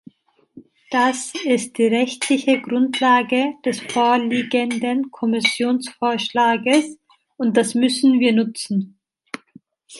Das ist die rechtliche Grundlage des vorliegenden Kommissionsvorschlages, und das müssen wir nutzen.